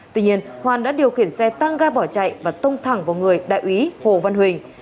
tuy nhiên hoàn đã điều khiển xe tăng ga bỏ chạy và tông thẳng vào người đại úy hồ văn huỳnh